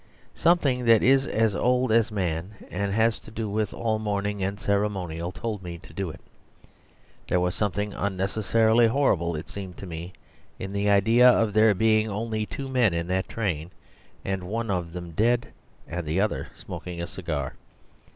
Something that is as old as man and has to do with all mourning and ceremonial told me to do it. There was something unnecessarily horrible, it seemed to me, in the idea of there being only two men in that train, and one of them dead and the other smoking a cigar.